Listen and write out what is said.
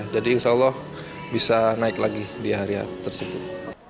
jadi insya allah bisa naik lagi di hari h tersebut